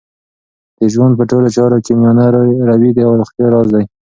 د ژوند په ټولو چارو کې میانه روی د روغتیا راز دی.